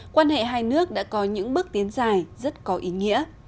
quan hệ hai nước đã có những bước tiến dài rất có ý nghĩa